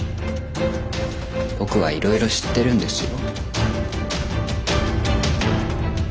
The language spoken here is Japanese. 僕はいろいろ知ってるんですよ。